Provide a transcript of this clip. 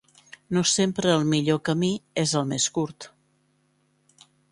No sempre el millor camí és el més curt.